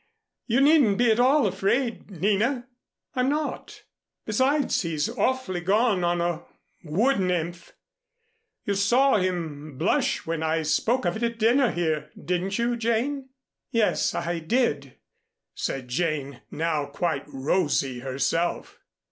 You needn't be at all afraid, Nina." "I'm not. Besides he's awfully gone on a wood nymph. You saw him blush when I spoke of it at dinner here didn't you, Jane?" "Yes, I did," said Jane, now quite rosy herself.